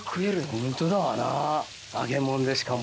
ホントだわな揚げ物でしかも。